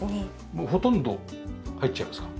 もうほとんど入っちゃいますか？